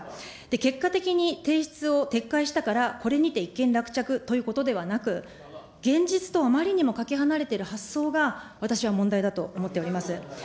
結果的に提出を撤回したから、これにて一件落着ということではなく、現実とあまりにもかけ離れている発想が、私は問題だと思っております。